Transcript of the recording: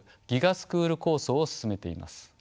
スクール構想を進めています。